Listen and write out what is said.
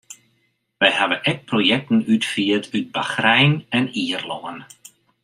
Wy hawwe ek projekten útfierd yn Bachrein en Ierlân.